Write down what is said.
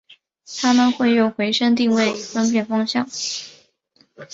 它们会用回声定位以分辨方向。